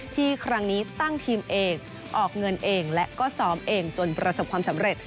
ที่ครั้งนี้ตั้งทีมเองออกเงินเองและก็ซ้อมเองจนประสบความสำเร็จ